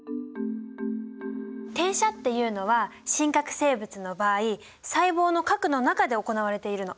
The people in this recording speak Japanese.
転写っていうのは真核生物の場合細胞の核の中で行われているの。